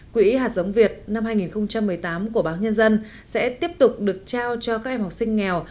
quỹ hạt giống việt năm hai nghìn một mươi tám của báo nhân dân sẽ tiếp tục được trao cho các em học sinh nghèo